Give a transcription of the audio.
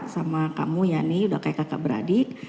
sama kamu yani udah kayak kakak beradik